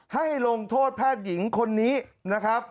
ให้ลงโทษแพทย์หญิงคนนี้นะครับ